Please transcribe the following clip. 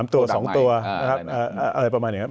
๓ตัว๒ตัวอะไรประมาณอย่างนั้น